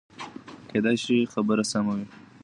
کېدای شي خبره سمه وي.